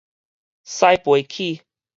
屎桮齒